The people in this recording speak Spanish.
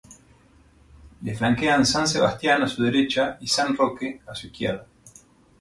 Le flanquean San Sebastián a su derecha y San Roque a su izquierda.